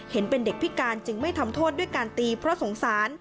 เห็นเป็นเด็กพิการจึงไม่ทำโทษด้วยการตีเพราะสงสาร